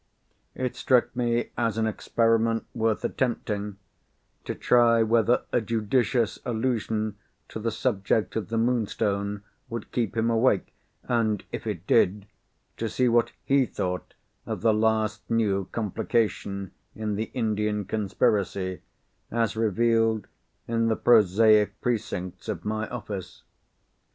It struck me as an experiment worth attempting, to try whether a judicious allusion to the subject of the Moonstone would keep him awake, and, if it did, to see what he thought of the last new complication in the Indian conspiracy, as revealed in the prosaic precincts of my office.